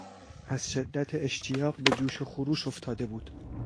از شدت اشتیاق به جوش و خروش افتاده بود.